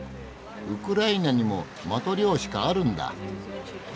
ウクライナにもマトリョーシカあるんだ。